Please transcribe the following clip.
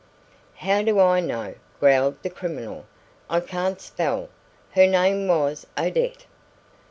"How do I know?" growled the criminal. "I can't spell. Her name was Odette."